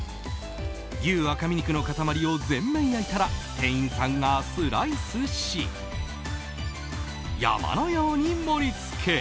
牛赤身肉の塊を全面焼いたら店員さんがスライスし山のように盛り付け。